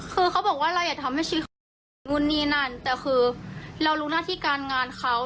คือเขาบอกว่าเราอยากทำให้ชีวิตเขาแบบนู่นนี่นั่นแต่คือเรารู้หน้าที่การงานเขา